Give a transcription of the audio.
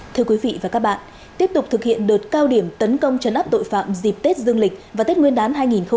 thưa quý vị và các bạn tiếp tục thực hiện đợt cao điểm tấn công trấn áp tội phạm dịp tết dương lịch và tết nguyên đán hai nghìn hai mươi bốn